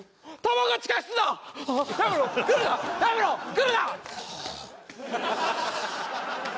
来るな！